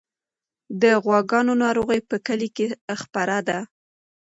د غواګانو ناروغي په کلي کې خپره ده.